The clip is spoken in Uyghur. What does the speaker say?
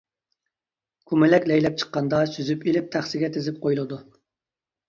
كۇمۇلەك لەيلەپ چىققاندا سۈزۈپ ئېلىپ تەخسىگە تىزىپ قويۇلىدۇ.